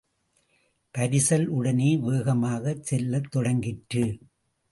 பரிசல் உடனே வேகமாகச் செல்லத் தொடங்கிற்று.